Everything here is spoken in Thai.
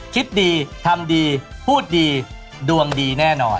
คิดดีทำดีพูดดีดวงดีแน่นอน